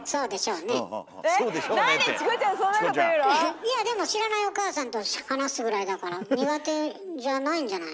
いやでも知らないおかあさんと話すぐらいだから苦手じゃないんじゃないの？